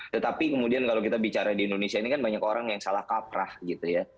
tetapi kemudian kalau kita bicara di indonesia ini kan banyak orang yang salah kaprah gitu ya